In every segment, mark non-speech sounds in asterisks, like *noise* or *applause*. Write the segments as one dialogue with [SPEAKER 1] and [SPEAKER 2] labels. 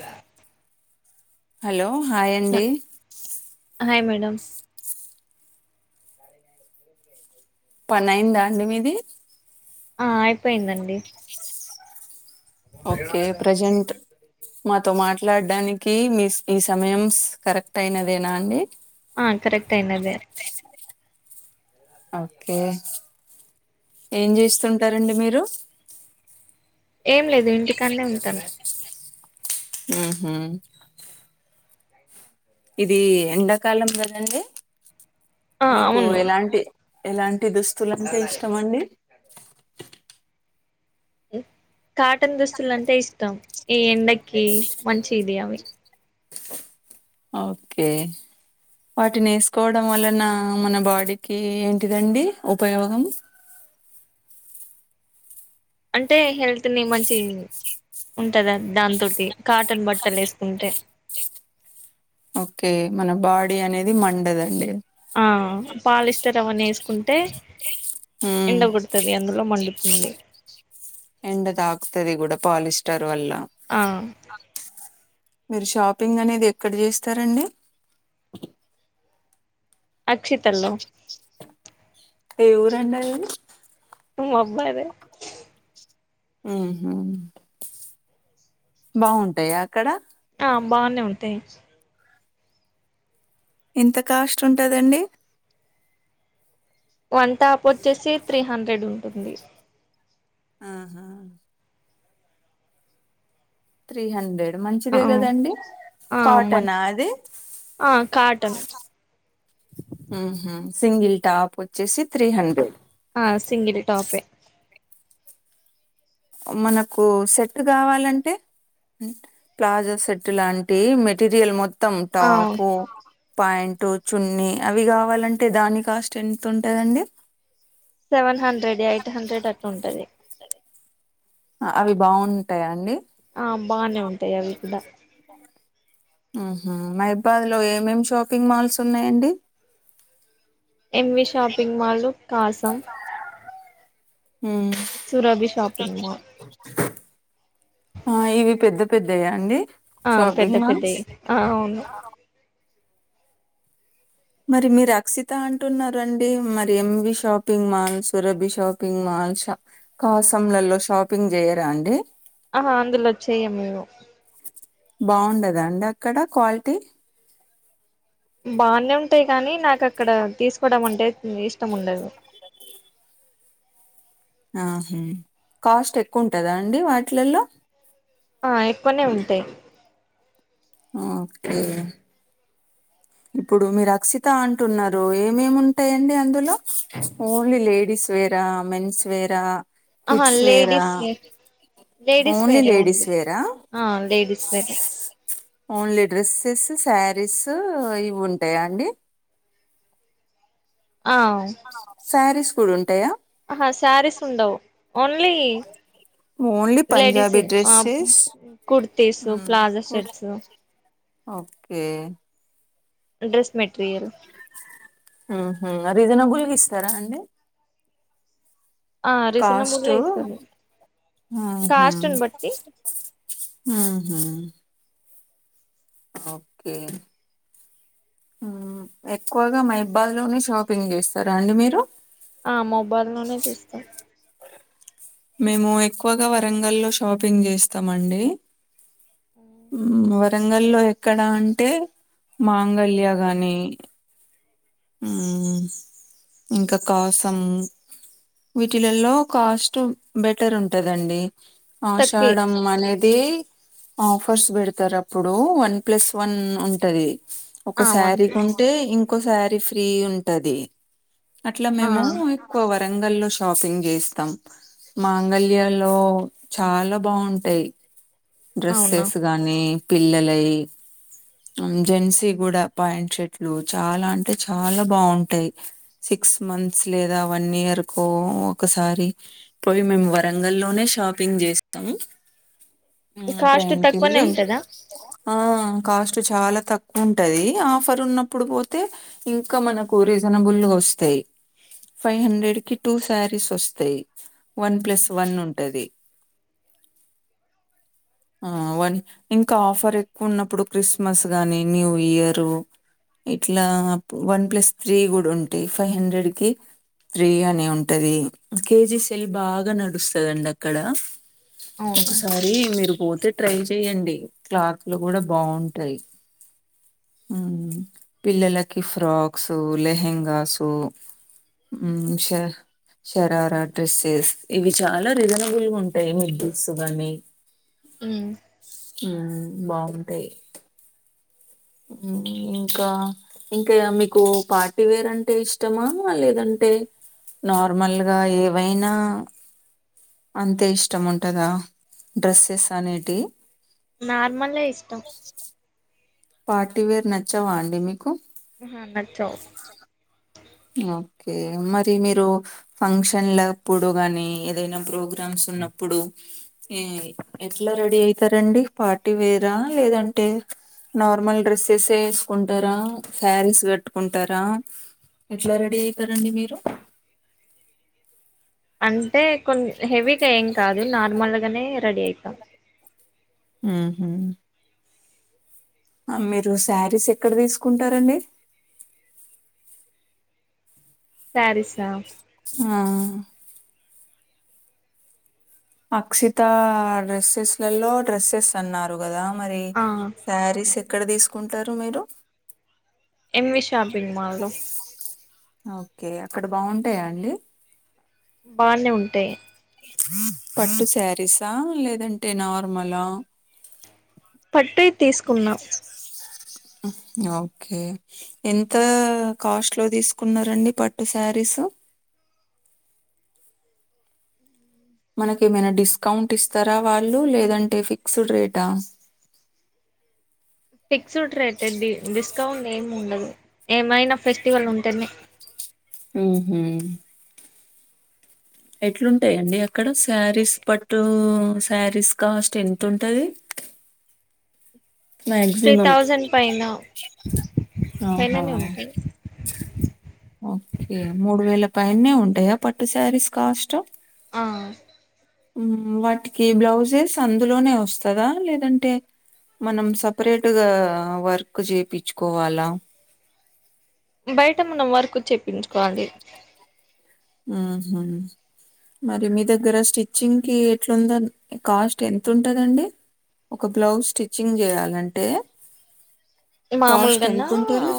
[SPEAKER 1] గా
[SPEAKER 2] hello, hi అండి.
[SPEAKER 1] Hi madam.
[SPEAKER 2] పని అయిందండి మీది
[SPEAKER 1] ఆ అయిపోయిదండి
[SPEAKER 2] ఓకే ప్రెజెంట్, మాతో మాట్లాడడానికి మీ ఈ, సమయం కరెక్ట్ అయినదేనా అండి.
[SPEAKER 1] ఆ కరెక్ట్ అయినదే.
[SPEAKER 2] ఓకే ఏం చేస్తుంటారండి మీరు.
[SPEAKER 1] ఏం లేదు ఇంటికన్నె ఉంటాను.
[SPEAKER 2] ఉహు ఇది ఎండాకాలం కదండి.
[SPEAKER 1] ఆ
[SPEAKER 2] మీకు
[SPEAKER 1] అవును
[SPEAKER 2] ఎలాంటి ఎలాంట్ దుస్తులు అంటే ఇష్టం మండి?
[SPEAKER 1] ఏ కాటన్ దుస్తులు అంటే ఇష్టం. ఈ ఎండకి మంచిది అవి
[SPEAKER 2] అవోకే వాటిని వేసుకోవడం వలన, మన బాడీకి ఏంటిదండి ఉపయోగం? *inaudible*
[SPEAKER 1] అంటే హెల్త్ ని మంచి, ఉంటదా దాంతోటి కాటన్ బట్టలు వేసుకుంటే.
[SPEAKER 2] ఓకే మన బాడీ అనేది మండదండి.
[SPEAKER 1] ఆ పాలిస్టర్ అవన్న వేసుకుంటే, ఎండ
[SPEAKER 2] ఉమ్
[SPEAKER 1] కొడుతుది, అందులో మండుతుంది.
[SPEAKER 2] ఎండ తాకుతది కూడా పాలిస్టర్ వల్ల.
[SPEAKER 1] ఆ
[SPEAKER 2] మీరు షాపింగ్ అనేది ఎక్కడ చేస్తారండి
[SPEAKER 1] అక్షిత ల్లో
[SPEAKER 2] ఏ ఊరుండది
[SPEAKER 1] అబ్బాయీ దే
[SPEAKER 2] ఉ బాగుంటాయా అక్కడ
[SPEAKER 1] నా బానే ఉంటయీ
[SPEAKER 2] ఎంత కాస్ట్ ఉంటదండి
[SPEAKER 1] వన్ టాప్ వచ్చేసి త్రీ హండ్రెడ్
[SPEAKER 2] ఆహా త్రీ హండ్రెడ్
[SPEAKER 1] ఆ
[SPEAKER 2] మంచిదే కదండి
[SPEAKER 1] ఆ మన్
[SPEAKER 2] కాటనా అది
[SPEAKER 1] ఆ కాటన్
[SPEAKER 2] సింగిల్ టాప్ వచ్చేసి త్రీ హండ్రెడ్
[SPEAKER 1] ఆ సింగిల్ టాపే
[SPEAKER 2] మనకు సెట్ కావాలంటే ప్లాజా సెట్ లాంటి మెటీరియల్ మొత్ మొత్తం
[SPEAKER 1] ఆ
[SPEAKER 2] టాపూ ప్యాంట్ అటు చున్నీ అవి కావాలంటే దాని కాస్ట్ ఎంత ఉంటాందండి
[SPEAKER 1] సెవెన్ హండ్రెడ్ ఎయిట్ హండ్రెడ్ అట్లా ఉంటది
[SPEAKER 2] అవి బాగుంటాయా అండి
[SPEAKER 1] ఆ బానే ఉంటాయి అవి కూడా
[SPEAKER 2] మహబాద్ లో ఏమేమి షాపింగ్ మాల్స్ ఉన్నాయండి
[SPEAKER 1] ఎంవి షాపింగ్ మాల్ కాసాం
[SPEAKER 2] హ్మ్
[SPEAKER 1] సురభి షాపింగ్ మాల్
[SPEAKER 2] ఆ ఇవి పెద్ద పెద్దయా అండి
[SPEAKER 1] ఆ పెద్ద
[SPEAKER 2] షాపింగ్ మాల్స్
[SPEAKER 1] పెద్దయి ఆ అవును
[SPEAKER 2] మరి మీరు అక్సిత అంటునారండి మరి MV shopping mall Surabhi shopping మా అంశ కాసంలలో షాపింగ్ జేయరా అండి
[SPEAKER 1] ఆహా అందులో చేయం మేము
[SPEAKER 2] బాగుండదా అండి అక్కడ క్వాలిటీ
[SPEAKER 1] బానే ఉంటయి కానీ నాకు అక్కడ తీసుకోవడం అంటే ఇష్టం ఉండదు
[SPEAKER 2] ఆహ కాస్ట్ ఎక్కువుంటదా అండి వాటిలలో
[SPEAKER 1] ఆ ఎక్కువనే ఉంటాయి
[SPEAKER 2] ఓకే ఇప్పుడు మీరు అక్సిత అంటున్నారు ఏమేముంటయండి అందులో ఓన్లీ లేడీస్ వేరా మెన్స్వేరా
[SPEAKER 1] ఆహా లేడిస్ ఏ లేడీస్ వేరే
[SPEAKER 2] లేడీస్
[SPEAKER 1] ఓన్లీ
[SPEAKER 2] వేరా
[SPEAKER 1] ఆ లేడీస్ వేరే
[SPEAKER 2] ఓన్లీ డ్రెస్సెస్ సారీస్ ఇవి ఉంటయా అండి
[SPEAKER 1] ఆ
[SPEAKER 2] సారీస్ కూడా ఉంటయ
[SPEAKER 1] అహ సారీస్ ఉండవు ఓన్లీ
[SPEAKER 2] ఓన్లీ
[SPEAKER 1] లేడీస్
[SPEAKER 2] పంజాబీ
[SPEAKER 1] ఇ ఆ
[SPEAKER 2] dresses
[SPEAKER 1] kurtis palazzo shirts
[SPEAKER 2] okay
[SPEAKER 1] dress material
[SPEAKER 2] ఊహ్మ్ రీజనబుల్గా ఇస్తారా అండి
[SPEAKER 1] ఆ రీజనబుల్ ఏ ఇస్తారు కాస్ట్ని
[SPEAKER 2] ఆహ్మ్
[SPEAKER 1] బట్టి
[SPEAKER 2] అహ్మ్ ఓకే ఊ ఎక్కువగా మైబాల్ లోనే షాపింగ్ జేస్తారా అండి మీరు
[SPEAKER 1] ఆ మొబైల్ లోనే చేస్తాం
[SPEAKER 2] మేము ఎక్కువగా వరంగల్లో షాపింగ్ జేస్తమండి వరంగల్లో ఎక్కడ అంటే మాంగళ్య గాని ఊమ్ ఇంకా కాసం వీటిలలో కాస్ట్ బెటర్ ఉంటదండి
[SPEAKER 1] తక్కువే
[SPEAKER 2] ఆషడం అనేది ఆఫర్స్ బెడతరు అప్పుడు వన్ ప్లస్ వన్ ఉంటది ఒక
[SPEAKER 1] ఆ వన్
[SPEAKER 2] శారీకి
[SPEAKER 1] పి
[SPEAKER 2] కొంటే ఇంకో శారీ ఫ్రీ ఉంటది అట్లా
[SPEAKER 1] ఆ
[SPEAKER 2] మేము ఎక్కువ వరంగలో షాపింగ్ జేస్తం మాంగళ్య లో చాలా బావుంటయ్
[SPEAKER 1] అవునా
[SPEAKER 2] డ్రెస్సెస్ గానీ పిల్లలై ఉమ్ జెన్సీ కూడా ప్యాంట్ షర్ట్లు చాలా అంటే చాలా బాంటయ్ సిక్స్ మంత్స్ లేదా వన్ ఇయర్ కో ఒకసారి పోయి మేము వరంగల్ లోనే షాప్ పింగ్ జేస్తం ఉమ్
[SPEAKER 1] కాస్ట్
[SPEAKER 2] ట్రైన్
[SPEAKER 1] తక్కువనే
[SPEAKER 2] కెళ్ళి
[SPEAKER 1] ఉంటదా
[SPEAKER 2] ఆ కాస్ట్ చాలా తక్కువ ఉంటది ఆఫర్ ఉన్నప్పుడు పోతే ఇంకా మనకు రీజనబుల్ ఒ స్తయ్ ఫైవ్ హండ్రెడ్ కి టూ సారీస్ వస్తయ్ వన్ ప్లస్ వన్ ఉంటది *inaudible* ఆ అవని ఇంకా ఆఫర్ ఎక్కు ఉన్నప్పుడు క్రిస్మస్ గాని న్యూ ఇయరు ఇట్లా వన్ ప్లస్ త్రీ గూడా ఉంటయి ఫైవ్ హండ్రెడ్ కి త్రీ అని ఉంటది కేజీ సెల్ బాగా నడుస్తదండి అక్కడ
[SPEAKER 1] అవున
[SPEAKER 2] సారి మీరు పోతే ట్రై జేయండి క్లాత్ లు కూడా బావుంటయి ఊమ్ పిల్లలకి ఫ్రాక్సు లెహెంగాసు ఊమ్ ష శరారా డ్రెస్సెస్ ఇవి చాలా రీజనబుల్ గా ఉంటాయి *unintelligible* బక్స్ గాని
[SPEAKER 1] అ
[SPEAKER 2] ఉ బాగుంటాయి ఇంకా ఇంకా మీకు పార్టీవేర్ అంటే ఇష్టమా లేదంటే అంటే నార్మల్ గా ఏవైనా అంతే ఇష్టం ఉంటందా డ్రెస్సెస్ అనేటి
[SPEAKER 1] నార్మల్ ఇష్టం
[SPEAKER 2] పార్టీవేర్ నచ్చవా అండి మీ
[SPEAKER 1] హా నచ్చావ్
[SPEAKER 2] ఓకే మరి మీరు ఫంక్షన్లప్పుడు గానీ ఏదైనా ప్రోగ్రామ్స్ ఉన్నప్పుడు ఏ ఎట్లా రెడీ అయితారంండి పార్టీ వేరా లేదంటే నార్మల్ డ్రెస్సెస్ే వేసుకుంటారా శారీస్ కట్టుకుంటారా ఎట్లా రెడీ అయితారండి మీరు
[SPEAKER 1] అంటే కొ హెవీగా ఏం కాదు నార్మల్గానే రెడీ అవుతాం
[SPEAKER 2] హు హు మీరు శారీస్ ఎక్కడ తీసుకుంటారండి
[SPEAKER 1] శారీస్ ఆ
[SPEAKER 2] ఆ అక్షిత డ్రెస్సెస్ లలో డ్రెస్సెస్ అన్నారు కదా మరి
[SPEAKER 1] ఆ
[SPEAKER 2] శారీస్ ఎక్కడ తీసుకుంటారు మీరు
[SPEAKER 1] ఎం వి షాపింగ్ మాల్లో
[SPEAKER 2] ఓకే అక్కడ బాగుంటాయా అండి
[SPEAKER 1] బానే ఉంటాయి
[SPEAKER 2] పట్టు శారీసా లేదంటే నార్మలా
[SPEAKER 1] పట్టయి తీసుకున్నాం
[SPEAKER 2] ఓకే ఎంత కాస్ట్ లో తీసుకున్నండి పట్టు శారీస్ మనకేమైనా డిస్కౌంట్ ఇస్తారా వాళ్ళు లేదంటే ఫిక్స్డ్ రేటా
[SPEAKER 1] ఫిక్స్డ్ రేట్ది డి డిస్కౌంట్ ఏమి ఉండదు ఏమైనా ఫెస్టివల్ ఉంటేనే
[SPEAKER 2] ఉహు ఎట్లుంటాయండి అక్కడ సారీస్ పట్టు సారీస్ కాస్ట్ ఎంత ఉంటది
[SPEAKER 1] త్రీ థౌజండ్ పైన
[SPEAKER 2] ఆహా
[SPEAKER 1] పైననే ఉంటాయా
[SPEAKER 2] ఓకే మూడు వేల పైనే ఉంటాయా పట్టు సారీస్ కాస్ట్
[SPEAKER 1] ఆ
[SPEAKER 2] హు వాటికి బ్లౌజెస్ అందులోనే వస్తందా లేదంటే మనం సపరేట్గా వర్క్ చేపిచ్చుకోవాలా
[SPEAKER 1] బయట మనం వర్క్ చెప్పించుకోవాలి
[SPEAKER 2] ఉహు మరి మీ దగ్గర స్టిచ్చింగ్ కి ఎట్లుందో కాస్ట్ ఎంత ఉంటందండి ఒక బ్లౌజ్ స్టిచ్చింగ్ చేయాలంటే కాస్ట్ ఎంత
[SPEAKER 1] మామూలుగన్నా
[SPEAKER 2] ఉంటుంది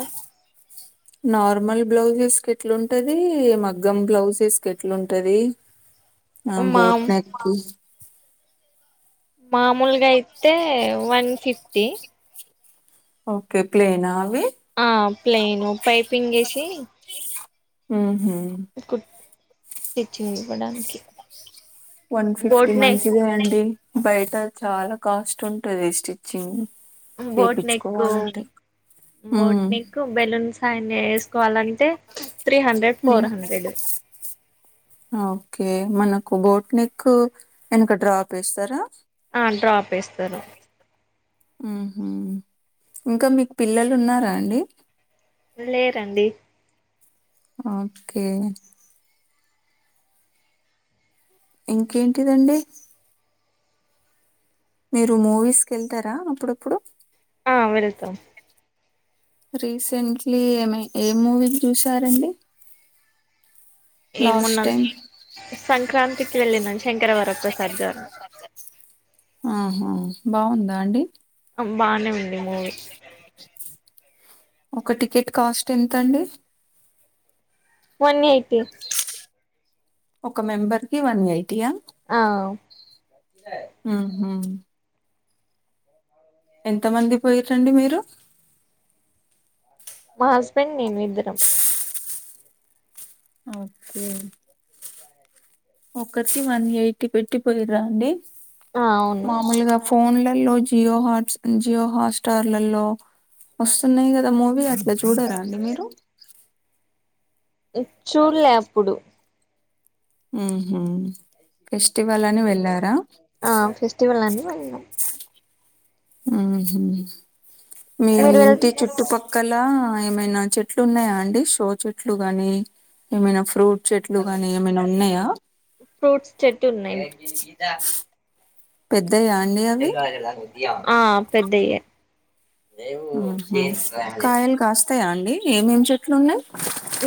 [SPEAKER 2] నార్మల్ బ్లౌజెస్ ఎట్లాంటది మగ్ మగ్గం బ్లౌజెస్ కు ఎట్లుంటది ఆ
[SPEAKER 1] మా
[SPEAKER 2] బోట్ నెక్
[SPEAKER 1] మామూలుగా అయితే వన్ ఫిఫ్టీ
[SPEAKER 2] ఓకే ప్లేన్ నా ఆవి
[SPEAKER 1] ఆ ప్లేన్ ప్పైపింగ్ వేసి
[SPEAKER 2] ఉహు
[SPEAKER 1] స్టిచింగ్ ఇవ్వడానికి
[SPEAKER 2] వన్ ఫిఫ్టీ
[SPEAKER 1] బోట్ నెక్
[SPEAKER 2] మంచిదే అండి బయట చాలా కాస్ట్ ఉంటది స్టిచ్చింగ్
[SPEAKER 1] బోట్ నెక్
[SPEAKER 2] చేపించుకోవాలంటే
[SPEAKER 1] boat
[SPEAKER 2] um
[SPEAKER 1] neck balloons sign వేసుకోవాలంటే three hundred
[SPEAKER 2] um
[SPEAKER 1] four hundred
[SPEAKER 2] okay మనకు బోట్నిక్ వెనుక డ్రాప్ వేస్తారా
[SPEAKER 1] ఆ డ్రాప్ వేస్తారు
[SPEAKER 2] ఉహు ఇంకా మీకు పిల్లలు ఉన్నారా అండి
[SPEAKER 1] లేరండి
[SPEAKER 2] ఓకే ఇంకేంటి దండి మీరు మూవీస్ కి వెళ్తారా అప్పుడప్పుడు
[SPEAKER 1] ఆ వెళ్తాం
[SPEAKER 2] రీసెంట్లీ ఏమీ ఏ మూవీ చూసారండి లాస్ట్
[SPEAKER 1] ఏమున్నా
[SPEAKER 2] టైం
[SPEAKER 1] సంక్రాంతికి వెళ్ళినము శంకరవరప్రసాద్ గారు
[SPEAKER 2] ఆహా బాగుందా అండి
[SPEAKER 1] బానే ఉంది మూవీ
[SPEAKER 2] ఒక టికెట్ కాస్ట్ ఎంతండి
[SPEAKER 1] వన్ ఎయిట్ టి
[SPEAKER 2] ఒక మెంబర్ కి వన్ ఎయి
[SPEAKER 1] ఆహ
[SPEAKER 2] ఉహు ఎంతమంది పోయిరు అండి మీరు
[SPEAKER 1] మా హస్బెండ్ నేను ఇద్దరం
[SPEAKER 2] ఓకే ఒకటి వన్ ఎయిటి పెట్టి పోయిరా అండి
[SPEAKER 1] ఆహ్ అవును.
[SPEAKER 2] మామూలుగా ఫోన్లలో జియో హాట్స్ జియో హాట్స్టార్లలో వస్తున్నాయి కదా మూవీ అది. ఇలా చూడారా అండి మీరు.
[SPEAKER 1] ఇట్ చూడలే అప్పుడు.
[SPEAKER 2] ఉమ్ ఉమ్మ్.
[SPEAKER 1] ఆహ్ ఫెస్టివల్ అండి మళ్ళ.
[SPEAKER 2] ఉమ్మ్ మీ
[SPEAKER 1] మీరు
[SPEAKER 2] ఇంటి
[SPEAKER 1] వెళ్తే
[SPEAKER 2] చుట్టుపక్కల. ఏమైనా చెట్లు ఉన్నాయా అండి. షో చెట్లు గానీ ఏమైనా ఫ్రూట్. చెట్లు గానీ ఏమైనా ఉన్నాయా.
[SPEAKER 1] ఫ్రూట్స్ చెట్టు ఉన్నాయి
[SPEAKER 2] పెద్దయ్యాండి అవి
[SPEAKER 1] ఆ పెద్దయ్యే
[SPEAKER 2] కాయలు కాస్తాయా అండి ఏమేం చెట్లు ఉన్నాయి.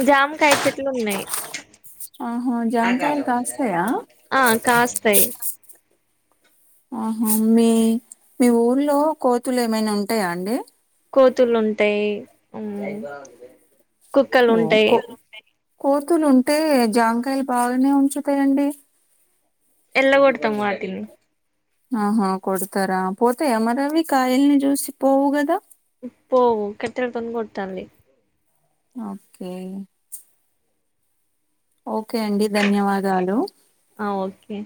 [SPEAKER 1] జామ కాయ చెట్లు ఉన్నాయి.
[SPEAKER 2] ఆహా జాంకాయలు కాస్తాయా
[SPEAKER 1] ఆహ్ కాస్తాయి.
[SPEAKER 2] ఆహా మీ మీ ఊర్లో కోతులు ఏమైనా ఉంటాయా అండి.
[SPEAKER 1] కోతులు ఉంటాయి ఉమ్ కుక్కలు
[SPEAKER 2] ఓ
[SPEAKER 1] ఉంటాయి.
[SPEAKER 2] కో కోతులు ఉంటే జాంకాయలు బాగానే ఉంచుతాయండి.
[SPEAKER 1] ఎల్ల కొడతం వాటిని.
[SPEAKER 2] ఆహా కొడతారా పోతాయ మరీ అవి కాయల్ని చూసి పోవు కదా.
[SPEAKER 1] పోవు కట్టాలతోని కొట్టాలి.
[SPEAKER 2] ఓకే. ఓకే అండి ధన్యవాదాలు.
[SPEAKER 1] ఆహ్ ఓకే.